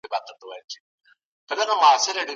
آمو سیند څنګه د شمالي پولې په توګه وټاکل سو؟